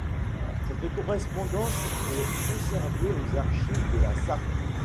Cette correspondance est conservée aux archives de la Sarthe.